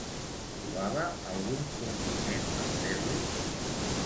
Trobava algun compliment per fer-li?